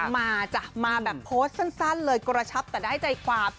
มาจ้ะมาแบบโพสต์สั้นเลยกระชับแต่ได้ใจความ